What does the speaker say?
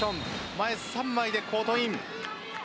前３枚でコートイン。